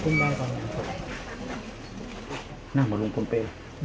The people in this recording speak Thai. น่าเหมือนลูกลุงพลเป้